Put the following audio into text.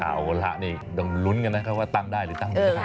เอาล่ะนี่ต้องลุ้นกันนะครับว่าตั้งได้หรือตั้งไม่ได้